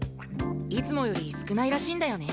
いつもより少ないらしいんだよね。